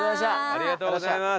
ありがとうございます。